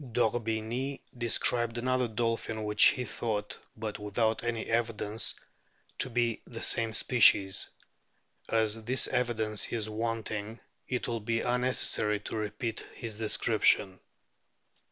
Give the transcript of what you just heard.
D'Orbigny described another dolphin which he thought, but without any evidence, to be the same species ; as this evidence is wanting it will be unnecessary to repeat his description.